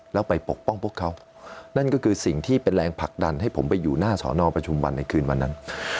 แล้วไปปกป้องพวกเขานั่นก็คือสิ่งที่เป็นแรงผลักดันให้ผมไปอยู่หน้าสอนอประชุมวันในคืนวันนั้น